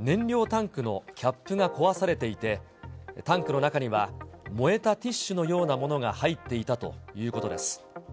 燃料タンクのキャップが壊されていて、タンクの中には燃えたティッシュのようなものが入っていたということです。